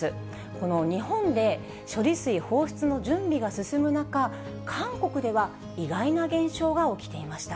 この日本で処理水放出の準備が進む中、韓国では意外な現象が起きていました。